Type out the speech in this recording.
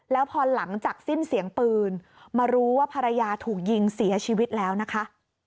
แล้วพอหลังจากสิ้นเสียงปืนมารู้ว่าภรรยาถูกยิงเสียชีวิตแล้วนะคะ